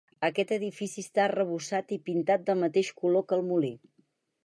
Aquest edifici està arrebossat i pintat del mateix color que el molí.